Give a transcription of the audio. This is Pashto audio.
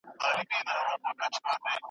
کاري ځواک د اقتصاد د ودي مهم عنصر ګڼل کېږي.